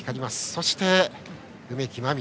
そして、梅木真美。